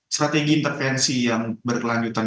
strategi intervensi yang berkelanjutan